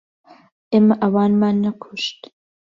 ئێمە ئەوانمان نەکوشت.